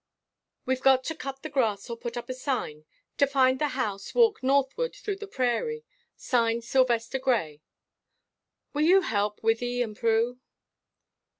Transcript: We've got to cut the grass or put up a sign: To Find the House Walk Northward Through the Prairie. Signed, Sylvester Grey. Will you help, Wythie and Prue?"